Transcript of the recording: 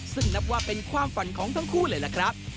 ซึ่งนับว่าเป็นความฝันของทั้งคู่เลยล่ะครับ